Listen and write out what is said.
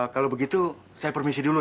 kalau begitu saya permisi dulu